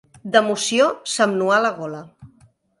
D'emoció, se'm nuà la gola.